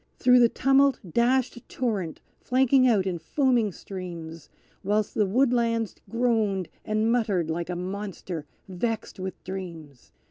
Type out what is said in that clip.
Through the tumult dashed a torrent flanking out in foaming streams, Whilst the woodlands groaned and muttered like a monster vexed with dreams.